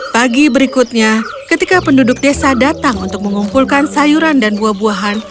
pagi berikutnya ketika penduduk desa datang untuk mengumpulkan sayuran dan buah buahan